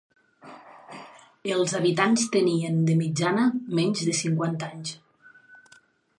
Els habitants tenien, de mitjana, menys de cinquanta anys.